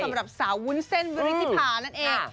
สำหรับสาววุ้นเส้นวิริธิภานั่นเอง